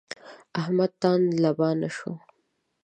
احمد تانده لبانه شو.